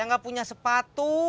gak punya sepatu